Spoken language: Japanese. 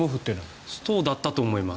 そうだったと思います。